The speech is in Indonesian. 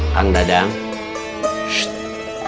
kang dadang shhh